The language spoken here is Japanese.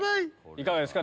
いかがですか？